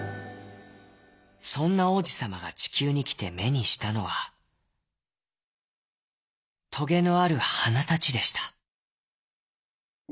そんな王子さまがちきゅうにきてめにしたのはトゲのあるはなたちでした。